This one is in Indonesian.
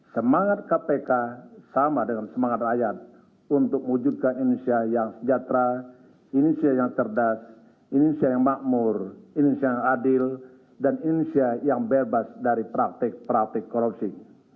semangat kpk sama dengan semangat rakyat untuk mewujudkan indonesia yang sejahtera indonesia yang cerdas indonesia yang makmur indonesia yang adil dan indonesia yang bebas dari praktik praktik korupsi